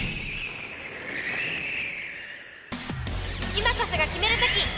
今こそがキメる時！